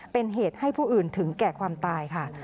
เป็นเหตุให้ผู้อื่นถึงแก่ความตายค่ะ